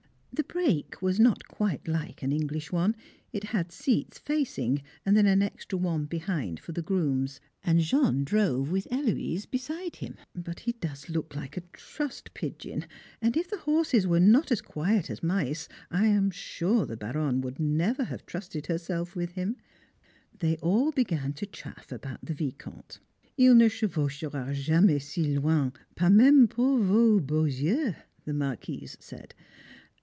The brake was not quite like an English one; it had seats facing, and then an extra one behind for the grooms, and Jean drove with Héloise beside him; but he does look like a trussed pigeon, and if the horses were not as quiet as mice, I am sure the Baronne would never have trusted herself with him. [Sidenote: The Vicomte up to Time] They all began to chaff about the Vicomte; "Il ne chevauchera jamais si loin, pas même pour vos beaux yeux," the Marquise said.